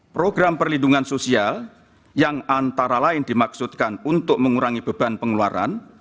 program perlindungan sosial yang antara lain dimaksudkan untuk mengurangi beban pengeluaran